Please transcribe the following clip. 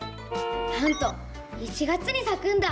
なんと１月にさくんだ。